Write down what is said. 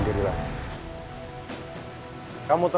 papa pulang dulu ya